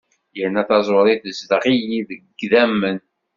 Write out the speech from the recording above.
Yerna taẓuri tezdeɣ-iyi deg yidammen.